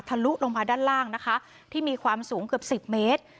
ลุลงมาด้านล่างนะคะที่มีความสูงเกือบ๑๐เมตร